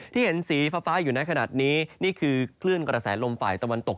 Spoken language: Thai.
เห็นสีฟ้าอยู่ในขณะนี้นี่คือคลื่นกระแสลมฝ่ายตะวันตก